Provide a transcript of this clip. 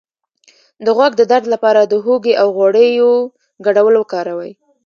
د غوږ د درد لپاره د هوږې او غوړیو ګډول وکاروئ